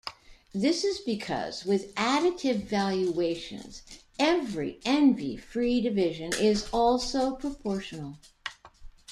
This is because, with additive valuations, every envy-free division is also proportional.